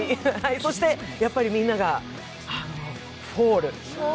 そしてやっぱりみんなが、「ＦＡＬＬ／フォール」。